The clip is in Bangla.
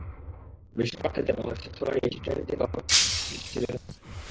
বিশ্বকাপ খেলতে বাংলাদেশে আসার আগেই টি-টোয়েন্টি থেকে অবসরের ঘোষণা দিয়ে এসেছিলেন সাঙ্গাকারা।